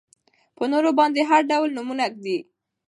په نورو باندې هر ډول نومونه ږدي.